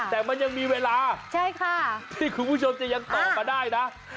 แต่มันยังมีเวลาใช่ค่ะนี่คุณผู้ชมจะยังตอบมาได้นะ